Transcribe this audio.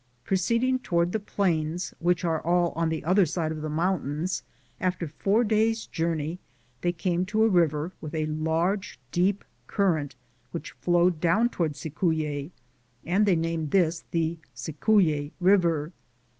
Pro ceeding toward the plains, which are all on the other side of the mountains, after four days' journey they came to a river with a large, deep current, which flowed down to ward Cicuye, and they named this the Cicuye river.'